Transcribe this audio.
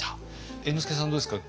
猿之助さんどうですか。